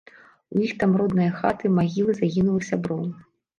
У іх там родныя хаты, магілы загінулых сяброў.